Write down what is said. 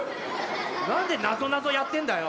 何でなぞなぞやってんだよ。